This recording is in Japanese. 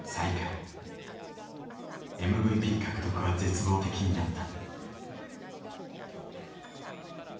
ＭＶＰ獲得は絶望的になった。